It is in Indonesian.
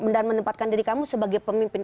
dan menempatkan diri kamu sebagai pemimpin